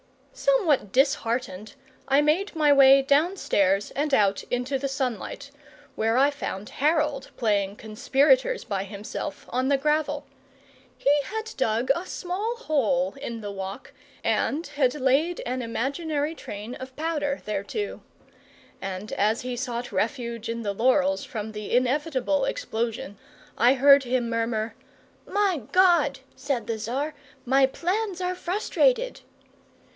Somewhat disheartened, I made my way downstairs and out into the sunlight, where I found Harold playing conspirators by himself on the gravel. He had dug a small hole in the walk and had laid an imaginary train of powder thereto; and, as he sought refuge in the laurels from the inevitable explosion, I heard him murmur: "`My God!' said the Czar, `my plans are frustrated!'"